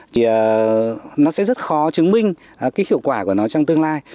thì nó sẽ rất khó chứng minh cái hiệu quả của nó trong tương lai